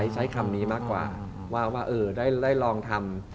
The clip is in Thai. ใช้คำนี้มากกว่าว่าได้ลองทำ